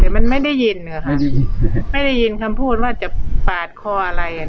แต่มันไม่ได้ยินเหรอไม่ได้ยินไม่ได้ยินคำพูดว่าจะปาดคออะไรอ่ะ